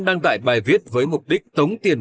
đăng tải bài viết với mục đích tống tiền